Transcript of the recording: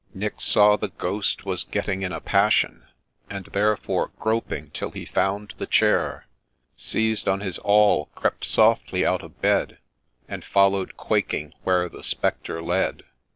Nick saw the Ghost was getting in a passion, And therefore, groping till he found the chair, Seiz'd on his awl, crept softly out of bed, And follow'd quaking where the Spectre led.